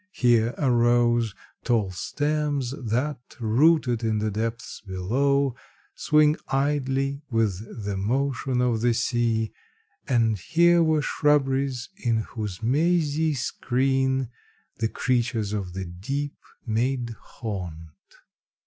Here arose Tall stems, that, rooted in the depths below, Swing idly with the motion of the sea; And here were shrubberies in whose mazy screen, The creatures of the deep made haunt."